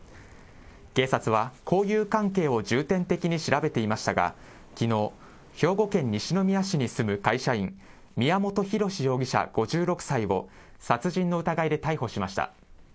警察は交友関係を重点的に調べていましたが、きのう、兵庫県西宮市に住む会社員、宮本浩志容疑者５６歳を殺人の疑いで逮捕しました。